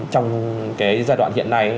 trong cái giai đoạn hiện nay